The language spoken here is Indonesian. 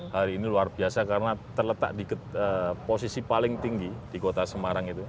hari ini luar biasa karena terletak di posisi paling tinggi di kota semarang itu